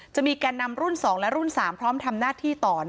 แก่นำรุ่น๒และรุ่น๓พร้อมทำหน้าที่ต่อ